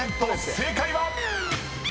正解は⁉］